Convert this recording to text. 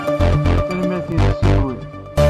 Tanemmirt-nnes seg wul.